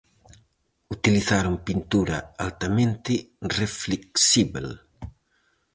Utilizaron pintura altamente reflexíbel.